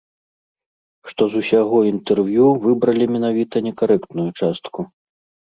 Што з усяго інтэрв'ю выбралі менавіта некарэктную частку.